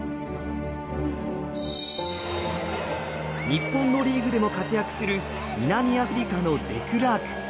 日本のリーグでも活躍する南アフリカのデクラーク。